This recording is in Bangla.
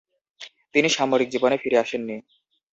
তিনি সামরিক জীবনে ফিরে আসেননি।